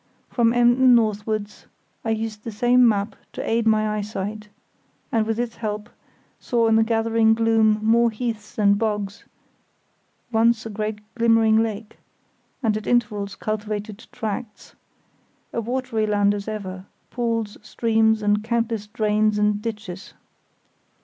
From Emden northwards I used the same map to aid my eyesight, and with its help saw in the gathering gloom more heaths and bogs, once a great glimmering lake, and at intervals cultivated tracts; a watery land as ever; pools, streams and countless drains and ditches.